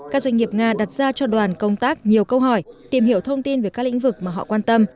các doanh nghiệp nga đặt ra cho đoàn công tác nhiều câu hỏi tìm hiểu thông tin về các lĩnh vực mà họ quan tâm